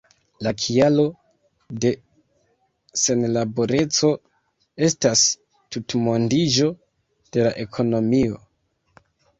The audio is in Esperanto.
La kialo de senlaboreco estas tutmondiĝo de la ekonomio.